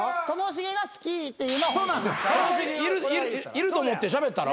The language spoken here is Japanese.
いると思ってしゃべったら？